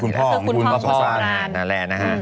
คุณพ่อของคุณพ่อสมรรณ